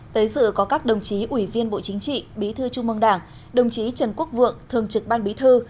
tới dự có các đồng chí ủy viên bộ chính trị bí thư trung mong đảng đồng chí trần quốc vượng thường trực ban bí thư